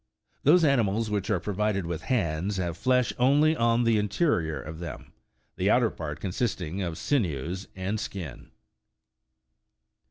Those animals which are provided with hands, have flesh only on the interior of them, the outer part consisting of sinews and skin.